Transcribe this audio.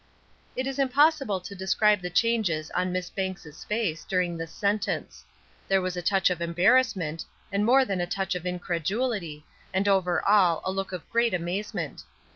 It is impossible to describe the changes on Miss Banks' face during this sentence. There was a touch of embarrassment, and more than a touch of incredulity, and over all a look of great amazement.